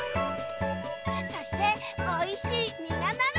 そしておいしいみがなるのだ！